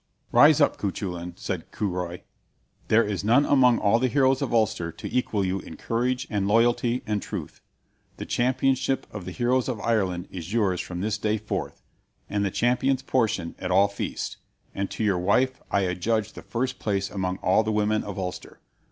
"Rise up, Cuchulain," said Curoi. "There is none among all the heroes of Ulster to equal you in courage and loyalty and truth. The Championship of the Heroes of Ireland is yours from this day forth, and the Champion's Portion at all feasts; and to your wife I adjudge the first place among all the women of Ulster.